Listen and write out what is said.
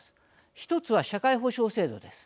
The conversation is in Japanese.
１つは社会保障制度です。